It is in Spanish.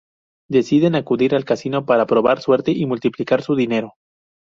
Deciden acudir al casino para probar suerte y multiplicar su dinero.